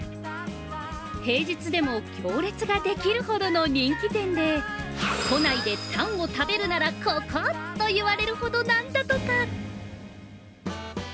平日でも行列ができるほどの人気店で都内でタンを食べるなら、ここ！と言われるほどなんだとか。